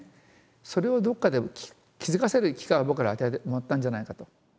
それをどっかで気付かせる機会を僕らは与えてもらったんじゃないかと。